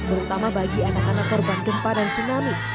terutama bagi anak anak perban kempadan tsunami